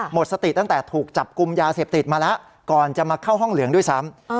หมดสติตั้งแต่ถูกจับกลุ่มยาเสพติดมาแล้วก่อนจะมาเข้าห้องเหลืองด้วยซ้ำ